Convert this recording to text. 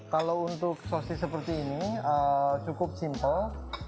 kalau untuk sosis seperti ini cukup simpel